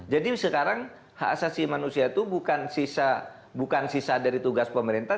jadi sekarang hak asasi manusia itu bukan sisa dari tugas pemerintah